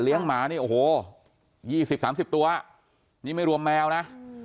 เลี้ยงหมาเนี่ยโอ้โห๒๐๓๐ตัวนี้ไม่รวมแมวนะ